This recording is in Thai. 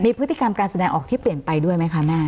มีพฤติกรรมการแสดงออกที่เปลี่ยนไปด้วยไหมคะแม่